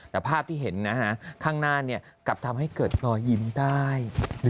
แต่ภาพที่เห็นข้างหน้ากลับทำให้เกิดรอยยิ้มได้